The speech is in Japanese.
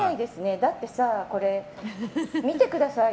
だってさ、これ見てくださいよ。